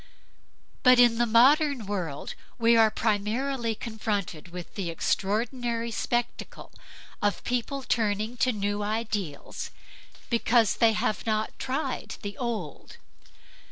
But in the modern world we are primarily confronted with the extraordinary spectacle of people turning to new ideals because they have not tried the old.